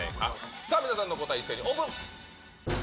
さあ皆さんのお答え、一斉にオープン。